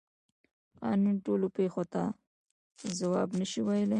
قانون ټولو پیښو ته ځواب نشي ویلی.